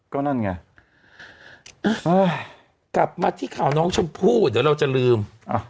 ก็นั่นไงกลับมาที่ข่าวน้องชมพู่เดี๋ยวเราจะลืม